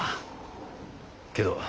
けど